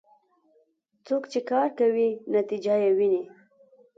څوک چې کار کوي، نتیجه یې ويني.